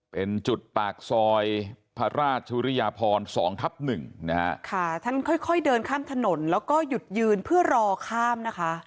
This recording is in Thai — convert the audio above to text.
เป็นจุดปากซอยพระราชสุริยพรสองทับหนึ่งนะฮะค่ะท่านค่อยค่อยเดินข้ามถนนแล้วก็หยุดยืนเพื่อรอข้ามนะคะ